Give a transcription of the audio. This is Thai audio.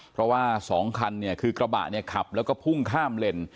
เพราะว่า๒คันคือกระบะขับแล้วก็พุ่งข้ามเล่น